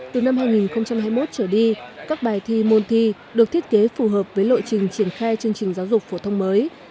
từ năm hai nghìn hai mươi một trở đi các bài thi môn thi được thiết kế phù hợp với lộ trình triển khai chương trình giáo dục phổ thông mới